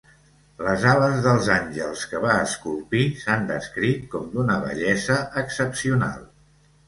Les ales dels àngels que va esculpir s'han descrit com "d'una bellesa excepcional".